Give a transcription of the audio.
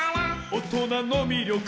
「おとなのみりょく」